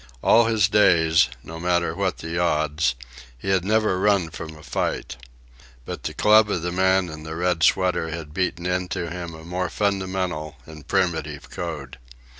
All his days, no matter what the odds, he had never run from a fight. But the club of the man in the red sweater had beaten into him a more fundamental and primitive code.